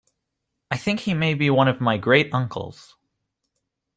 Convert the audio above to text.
I think he may be one of my great uncles.